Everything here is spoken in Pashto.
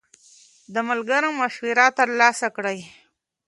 د ملګرو مشوره ترلاسه کړئ.